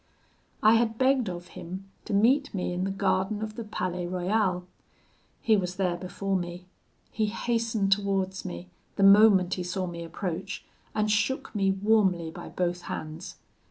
"I had begged of him to meet me in the garden of the Palais Royal. He was there before me. He hastened towards me, the moment he saw me approach and shook me warmly by both hands.